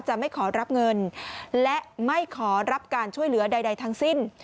ไม่ขอรับเงินและไม่ขอรับการช่วยเหลือใดทั้งสิ้น